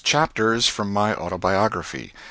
CHAPTERS FROM MY AUTOBIOGRAPHY. III.